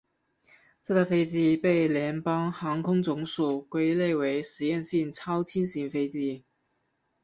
这台飞机被联邦航空总署归类为实验性超轻量飞机。